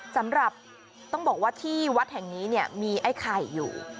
สำหรับต้องบอกว่าที่วัดแห่งนี้เนี่ยมีไอ้ไข่อยู่